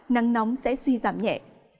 nắng nóng sẽ suy giảm nhẹ